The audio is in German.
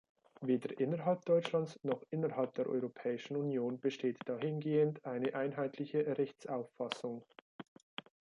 Weder innerhalb Deutschlands noch innerhalb der Europäischen Union besteht dahingehend eine einheitliche Rechtsauffassung.